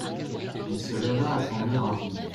Il se leva à son heure ordinaire.